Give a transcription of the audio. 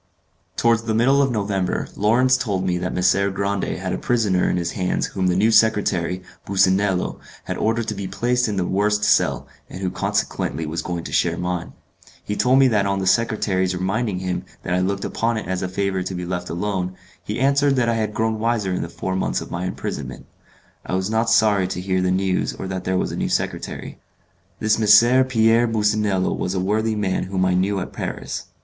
Towards the middle of November, Lawrence told me that Messer Grande had a prisoner in his hands whom the new secretary, Businello, had ordered to be placed in the worst cell, and who consequently was going to share mine. He told me that on the secretary's reminding him that I looked upon it as a favour to be left alone, he answered that I had grown wiser in the four months of my imprisonment. I was not sorry to hear the news or that there was a new secretary. This M. Pierre Businello was a worthy man whom I knew at Paris.